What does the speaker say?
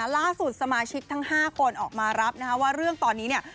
ล่าสุดสมาชิกทั้ง๕คนออกมารับว่าเรื่องตอนนี้